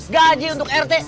gaji untuk rt